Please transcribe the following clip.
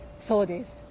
そうです。